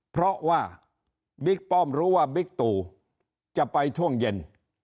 เพราะว่าบิ๊กป้อมรู้ว่าบิ๊กตู่จะไปช่วงเย็น